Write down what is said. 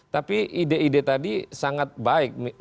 tapi ide ide tadi sangat baik